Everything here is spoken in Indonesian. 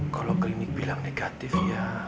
kalau klinik bilang negatif ya